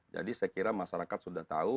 jadi saya kira masyarakat sudah tahu